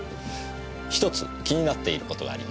ひとつ気になっている事があります。